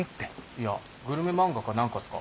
いやグルメ漫画かなんかっすか？